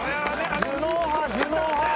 頭脳派！